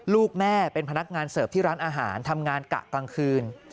ลูกแม่เป็นพนักงานเสิร์ฟที่ร้านอาหารทำงานกะกลางคืน